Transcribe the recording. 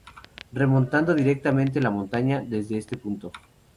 Remontando directamente la montaña desde este punto.